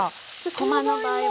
その場合は。